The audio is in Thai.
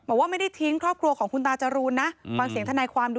การที่เกิดขึ้นเพราะว่า